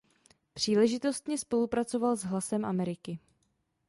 Příležitostně spolupracoval s Hlasem Ameriky.